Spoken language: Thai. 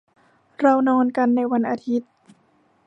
เรานอนกันในวันอาทิตย์